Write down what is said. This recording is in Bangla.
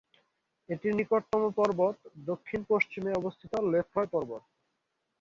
এটির নিকটতম পর্বত, দক্ষিণ পশ্চিমে অবস্থিত লেফ্রয় পর্বত।